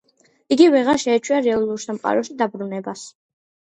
იგი ვეღარ შეეჩვია რეალურ სამყაროში დაბრუნებას.